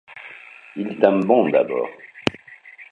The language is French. Il tint bon d’abord.